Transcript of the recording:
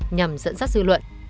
nhằm dẫn dắt dư luận